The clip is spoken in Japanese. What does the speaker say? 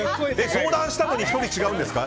相談したのに１人違うんですか？